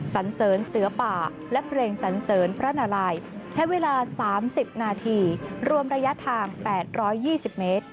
สันเสริญเสือป่าและเพลงสันเสริญพระนาลัยใช้เวลา๓๐นาทีรวมระยะทาง๘๒๐เมตร